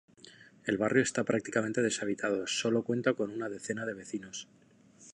El Barrio está prácticamente deshabitado, sólo cuenta con una decena de vecinos.